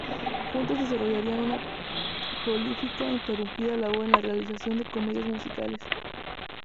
Juntos desarrollarían una prolífica e ininterrumpida labor en la realización de comedias musicales.